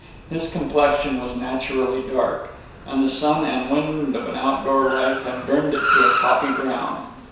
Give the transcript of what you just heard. His complexion was naturally dark; and the sun and wind of an outdoor life had burned it to a coffee brown.